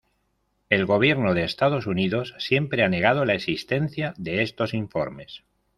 El gobierno de Estados Unidos siempre ha negado la existencia de estos informes.